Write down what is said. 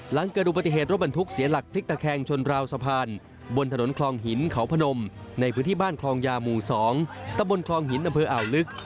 หลังเกิดอุบัติเหตุรถบรรทุกเสียหลักพลิกตะแคงชนราวสะพานบนถนนคลองหินเขาพนมในพื้นที่บ้านคลองยาหมู่๒ตะบนคลองหินอำเภออ่าวลึก